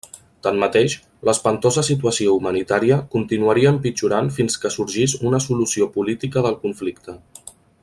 Tanmateix, l'espantosa situació humanitària continuaria empitjorant fins que sorgís una solució política del conflicte.